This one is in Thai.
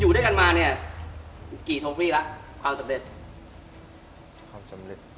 อยู่ด้วยกันมาเน่ะกี่ทกศ์บีแล้วความสำเร็จ